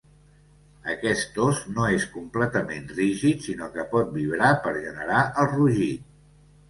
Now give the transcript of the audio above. Aquest os no és completament rígid, sinó que pot vibrar per generar el rugit.